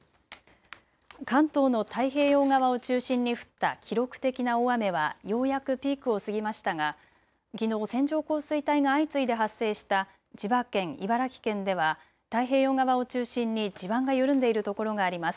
関東の太平洋側を中心に降った記録的な大雨はようやくピークを過ぎましたが、きのう線状降水帯が相次いで発生した千葉県、茨城県では太平洋側を中心に地盤が緩んでいるところがあります。